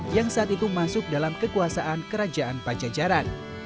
yang saat itu masuk dalam kekuasaan kerajaan pajajaran